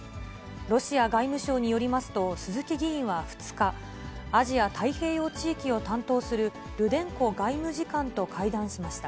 ロシア外務省によりますと、鈴木議員は２日、アジア太平洋地域を担当するルデンコ外務次官と会談しました。